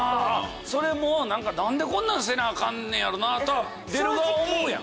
それも何でこんなんせなアカンねやろなぁとは出る側は思うやん。